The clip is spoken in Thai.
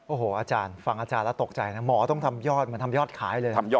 โอ้โหอาจารย์ฟังอาจารย์แล้วตกใจนะหมอต้องทำยอดเหมือนทำยอดขายเลย